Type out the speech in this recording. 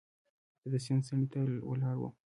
زه د سیند څنډې ته ولاړ وم.